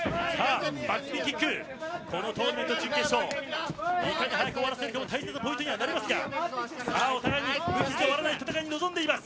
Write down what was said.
このトーナメント準決勝いかに早く終わらせるかも大切なポイントになりますがお互いに無傷では終わらない戦いに臨んでいます。